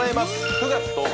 ９月１０日